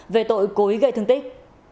về tội cố ý gây thương tích